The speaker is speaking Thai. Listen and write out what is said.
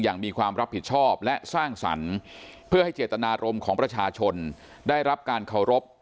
มีความรับผิดชอบและสร้างสรรค์เพื่อให้เจตนารมณ์ของประชาชนได้รับการเคารพ